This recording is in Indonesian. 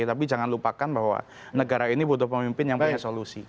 tapi jangan lupakan bahwa negara ini butuh pemimpin yang punya solusi